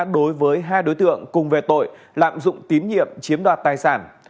đối với hai đối tượng cùng về tội lạm dụng tín nhiệm chiếm đoạt tài sản